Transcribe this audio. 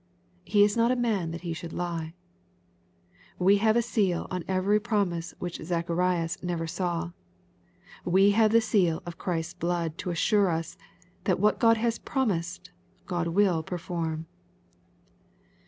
He is not a man that He should lie. Wo have a seal on every promise which Zacharias never saw. We have the seal of Christ's blood to assure us, that what God has promised God will perform.